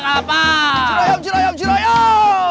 cura yam cura yam cura yam